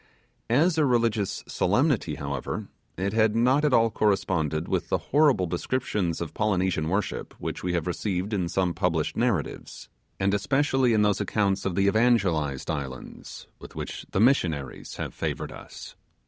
As a religious solemnity, however, it had not at all corresponded with the horrible descriptions of Polynesian worship which we have received in some published narratives, and especially in those accounts of the evangelized islands with which the missionaries have favoured us.